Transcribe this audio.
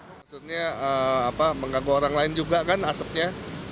maksudnya mengganggu orang lain juga kan asapnya